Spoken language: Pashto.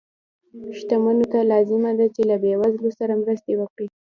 شتمنو ته لازمه ده چې له بې وزلو سره مرستې وکړي.